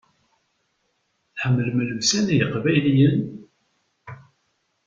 Tḥemmlem llebsa n yeqbayliyen?